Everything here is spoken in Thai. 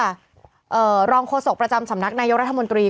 แต่ทีนี้วันนี้ค่ะเอ่อรองโฆษกประจำสำนักนายกรัฐมนตรี